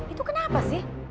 itu kenapa sih